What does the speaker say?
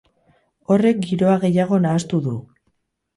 Horrek giroa gehiago nahastu du.